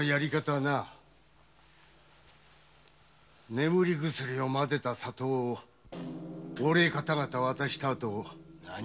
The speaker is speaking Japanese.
眠り薬を混ぜた砂糖をお礼かたがた渡したあと。何！？